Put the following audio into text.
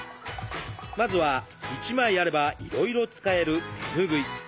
まずは一枚あればいろいろ使える手ぬぐい。